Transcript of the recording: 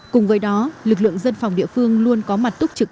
cùng với đó lực lượng dân phòng địa phương luôn có mặt túc trực